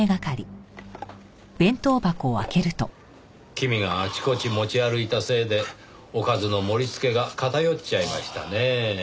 君があちこち持ち歩いたせいでおかずの盛りつけが片寄っちゃいましたねぇ。